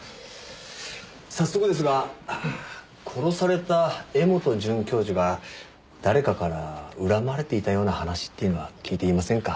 早速ですが殺された柄本准教授が誰かから恨まれていたような話っていうのは聞いていませんか？